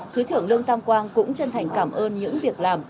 thứ trưởng lương tam quang cũng chân thành cảm ơn những việc làm